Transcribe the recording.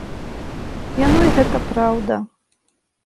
Яно й гэта праўда.